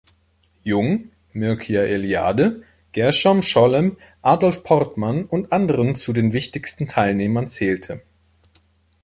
Jung, Mircea Eliade, Gershom Scholem, Adolf Portmann und anderen zu den wichtigsten Teilnehmern zählte.